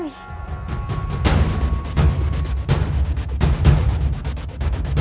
lepaskan gadis itu